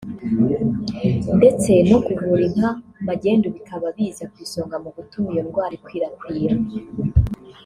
ndetse no kuvura inka magendu bikaba biza kw’isonga mu gutuma iyo ndwara inkwirakwira